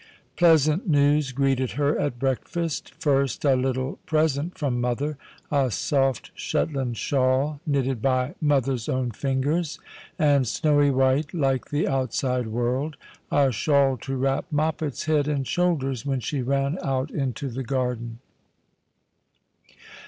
Pleasant news greeted her at breakfast. First a little present from mother, a soft Shetland shawl, knitted by mother's own fingers, and snowy white like the outside world— a shawl to wrap Moppet's head and shoulders when she ran out into the garden.